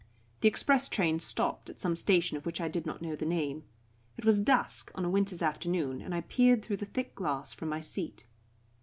The express train stopped at some station of which I did not know the name. It was dusk on a winter's afternoon, and I peered through the thick glass from my seat.